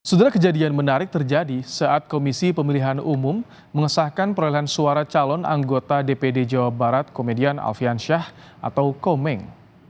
setelah kejadian menarik terjadi saat komisi pemilihan umum mengesahkan perolehan suara calon anggota dpd jawa barat komedian alfian syah atau komeng